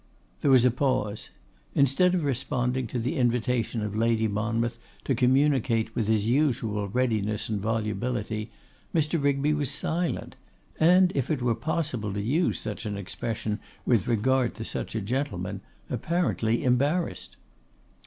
There was a pause. Instead of responding to the invitation of Lady Monmouth to communicate with his usual readiness and volubility, Mr. Rigby was silent, and, if it were possible to use such an expression with regard to such a gentleman, apparently embarrassed.